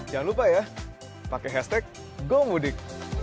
jangan lupa ya pakai hashtag gomudik